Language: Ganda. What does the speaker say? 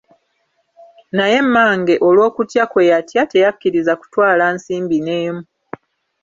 Naye mmange olw'okutya kwe yatya teyakkiriza kutwala nsimbi n’emu.